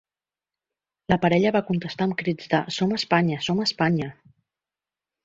La parella va contestar amb crits de ‘som a Espanya, som a Espanya’.